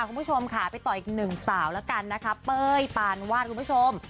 คุณผู้ชมค่ะไปต่ออีกหนึ่งสาวแล้วกันนะคะเป้ยปานวาดคุณผู้ชม